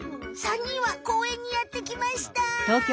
３にんはこうえんにやってきました。